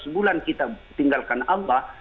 sebelas bulan kita tinggalkan allah